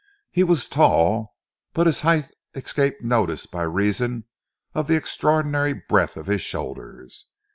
He was tall, but his height escaped notice by reason of the extraordinary breadth of his shoulders.